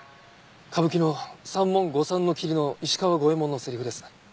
歌舞伎の『楼門五三桐』の石川五右衛門のセリフです。